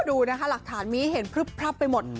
ดูนะคะหลักฐานมีเห็นพรึบไปหมด